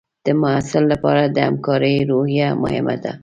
د محصل لپاره د همکارۍ روحیه مهمه ده.